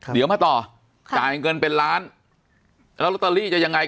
เดี๋ยวมาต่อจ่ายเงินเป็นล้านแล้วลอตเตอรี่จะยังไง